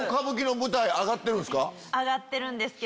上がってるんですけど。